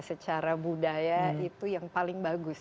secara budaya itu yang paling bagus